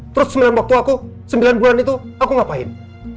terus sembilan waktu aku sembilan bulan itu aku ngapain